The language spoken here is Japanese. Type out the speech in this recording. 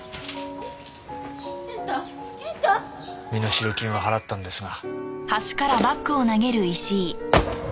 身代金は払ったんですが。